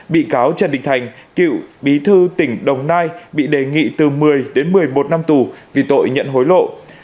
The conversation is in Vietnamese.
bị cáo trần đình thành cựu bí thư tỉnh đồng nai bị đề nghị từ một mươi đến một mươi một năm tù vì tội nhận hối lộ